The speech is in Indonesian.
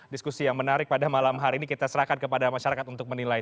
diskusi yang menarik pada malam hari ini kita serahkan kepada masyarakat untuk menilai